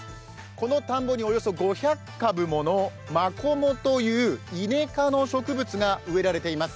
この田んぼにおよそ５００株ものマコモというイネ科の植物が植えられています。